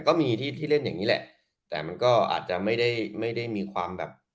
ก็มีที่ที่เล่นอย่างนี้แหละแต่มันก็อาจจะไม่ได้ไม่ได้มีความแบบ